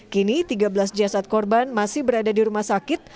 kini tiga belas jasad korban masih berada di rumah sakit